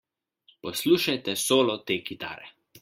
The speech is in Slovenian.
Poslušajte solo te kitare!